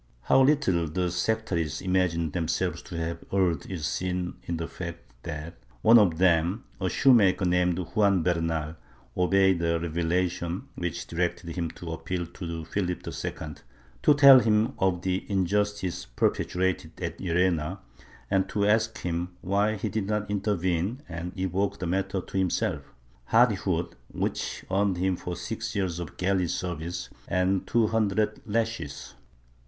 How little the sectaries imagined themselves to have erred is seen in the fact that one of them, a shoemaker named Juan Bernal, obeyed a revelation which directed him to appeal to Philip II, to tell him of the injustice perpetrated at Llerena and to ask him why he did not intervene and evoke the matter to himself — hardihood which earned for him six years of galley service and two hundred lashes.